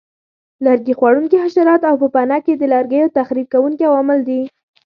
لرګي خوړونکي حشرات او پوپنکي د لرګیو تخریب کوونکي عوامل دي.